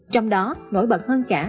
trong đó nổi bật hơn cả